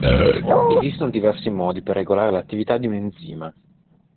Esistono diversi modi per regolare l'attività di un enzima.